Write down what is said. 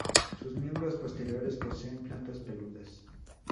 Sus miembros posteriores poseen plantas peludas.